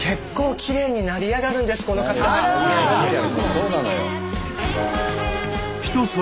そうなのよ。